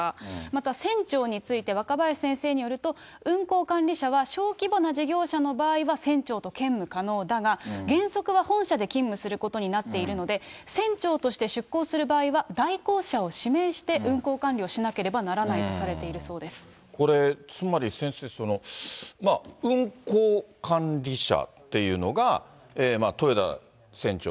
また、船長について、若林先生によると、運航管理者は小規模な事業者の場合は、船長と兼務可能だが、原則は本社で勤務することになっているので、船長として出航する場合は、代行者を指名して運航管理をしなければならないとされているそうこれ、つまり先生、運航管理者っていうのが、豊田船長。